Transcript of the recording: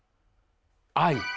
愛。